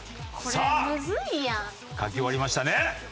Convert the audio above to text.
さあ書き終わりましたね？